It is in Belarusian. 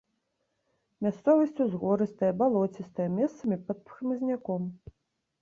Мясцовасць узгорыстая, балоцістая, месцамі пад хмызняком.